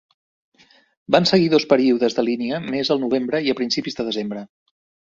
Van seguir dos períodes de línia més al novembre i a principis de desembre.